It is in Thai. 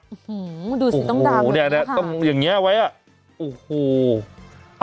โอ้โหดูสิต้องดูเนี่ยนะต้องอย่างเงี้ไว้อ่ะโอ้โห